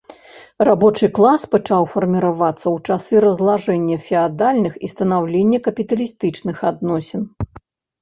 Рабочы клас пачаў фарміравацца ў часы разлажэння феадальных і станаўлення капіталістычных адносін.